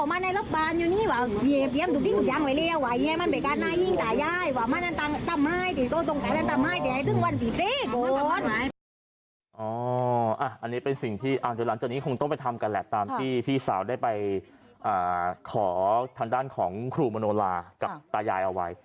อันนี้เป็นสิ่งที่อัธยุณาจนิยมต้องไปทำแต่ละตามที่สาวไปขอทานด้านของครูมโมโนลากับตายายเอาไว้